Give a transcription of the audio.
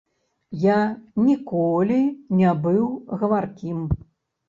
Я ніколі не быў гаваркім.